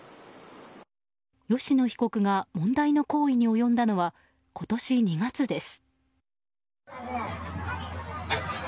吉野被告が問題の行為に及んだのは今年２月です。